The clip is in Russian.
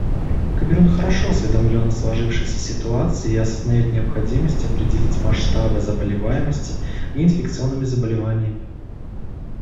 Камерун хорошо осведомлен о сложившейся ситуации и осознает необходимость определить масштабы заболеваемости неинфекционными заболеваниями.